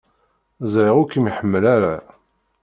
Ẓriɣ ur kem-iḥemmel ara.